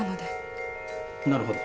なるほど。